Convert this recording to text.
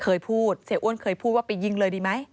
เคยพูดเสียอ้วนเคยพูดว่าไปยิงเลยดีไหม